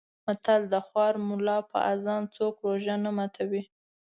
متل: د خوار ملا په اذان څوک روژه نه ماتوي.